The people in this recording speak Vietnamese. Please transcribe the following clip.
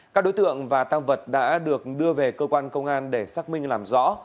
các đối tượng và tăng vật đã được đưa về cơ quan công an để xác minh làm rõ